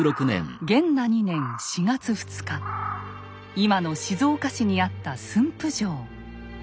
今の静岡市にあった駿府城。